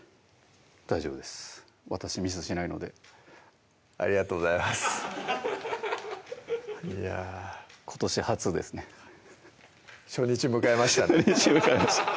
大丈夫です私ミスしないのでありがとうございますいや今年初ですね初日迎えましたね初日迎えました